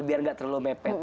biar nggak terlalu mepet